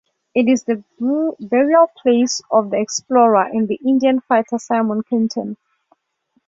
It is the burial place of the explorer and Indian fighter Simon Kenton.